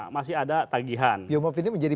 masih ada tagihan biomop ini menjadi